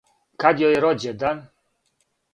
Кад јој је рођендан?